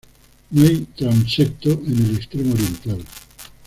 No hay transepto en el extremo oriental.